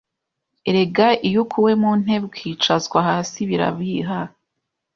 Erega iyo ukuwe mu ntebe ukicazwa hasi birabiha